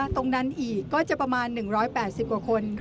ตรงนั้นอีกก็จะประมาณ๑๘๐กว่าคน